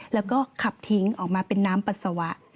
แล้วก็ขับทิ้งออกมาเป็นน้ำปัสสาวะ